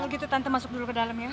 kalau gitu tante masuk dulu ke dalam ya